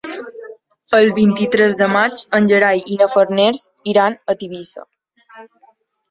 El vint-i-tres de maig en Gerai i na Farners iran a Tivissa.